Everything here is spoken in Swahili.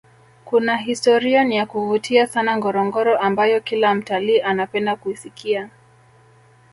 kuna historian ya kuvutia sana ngorongoro ambayo Kila mtalii anapenda kuisikia